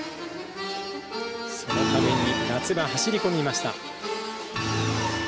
そのために夏は走り込みました。